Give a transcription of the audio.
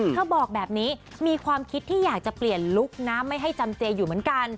บอกแบบนี้มีความคิดที่อยากจะเปลี่ยนลุคนะไม่ให้จำเจอยู่เหมือนกัน